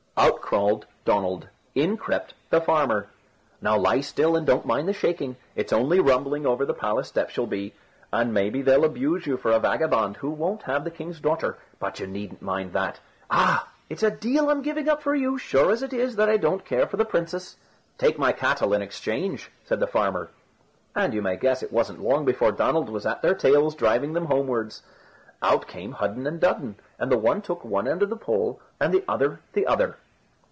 Out crawled Donald; in crept the farmer. "Now lie still, and don't mind the shaking; it's only rumbling over the palace steps you'll be. And maybe they'll abuse you for a vagabond, who won't have the king's daughter; but you needn't mind that. Ah! it's a deal I'm giving up for you, sure as it is that I don't care for the princess." "Take my cattle in exchange," said the farmer; and you may guess it wasn't long before Donald was at their tails driving them homewards. Out came Hudden and Dudden, and the one took one end of the pole, and the other the other.